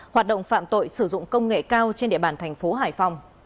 hoạt động phạm tội sử dụng công nghệ cao trên địa bàn thành phố hải phòng